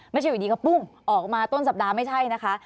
ไม่ใช่อยู่ดีก็ปุ้งออกมาต้นสัปดาห์ไม่ใช่นะคะ